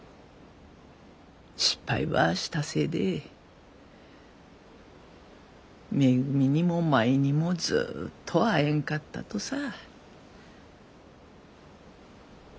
失敗ばしたせいでめぐみにも舞にもずっと会えんかったとさ。